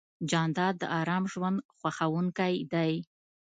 جانداد د ارام ژوند خوښوونکی دی.